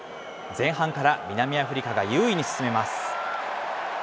前半から南アフリカが優位に進めます。